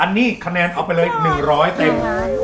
อันนี้คะแนนเอาไปเลย๑๐๐เต็ม